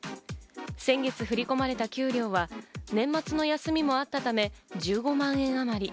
先月振り込まれた給料は年末の休みもあったため、１５万円あまり。